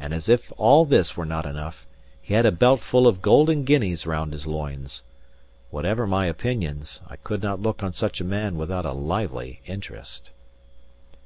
And as if all this were not enough, he had a belt full of golden guineas round his loins. Whatever my opinions, I could not look on such a man without a lively interest.